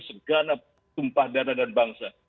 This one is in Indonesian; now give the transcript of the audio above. segala tumpah dana dan bangsa